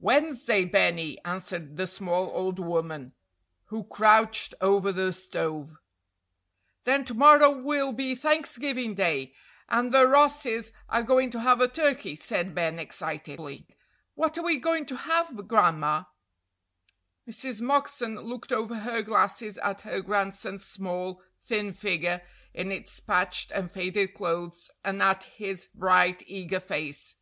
"Wednesday, Benny," answered the small old woman who crouched over the stove. "Then to morrow will be Thanksgiving day, and the Rosses are going to have a turkey," said Ben, excitedly. "What are we going to have, Gran'ma?" Mrs. Moxon looked over her glasses at her grandson's small, thin figure in its patched and faded clothes, and at his bright, eager face.